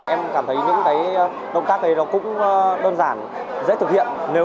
em cảm thấy những động tác ấy nó cũng đơn giản dễ thực hiện